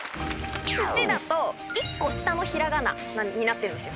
「つち」だと１個下の平仮名になってるんですよ。